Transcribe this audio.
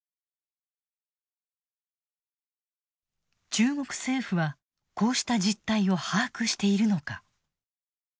中国政府はこうした実態を把握しているのか。